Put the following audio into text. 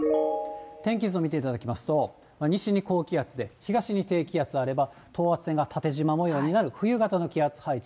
天気図を見ていただきますと、西に高気圧で東に低気圧あれば、等圧線が縦じま模様になる冬型の気圧配置。